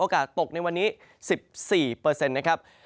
กาสตกในวันนี้๑๔นะครับ